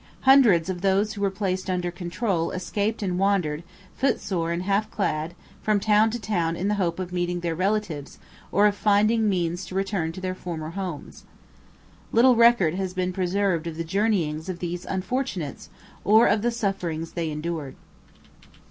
Hundreds of those who were placed under control escaped and wandered, footsore and half clad, from town to town in the hope of meeting their relatives or of finding means to return to their former homes. Little record has been preserved of the journeyings of these unfortunates or of the sufferings they endured.